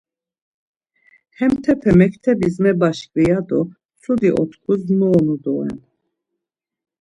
Hemtepe mektebis mebaşkvi ya do mtsudi otkus nuonu doren.